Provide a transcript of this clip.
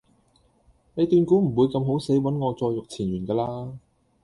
你斷估唔會咁好死搵我再續前緣架喇?